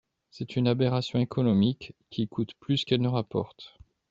C’est une aberration économique, qui coûte plus qu’elle ne rapporte.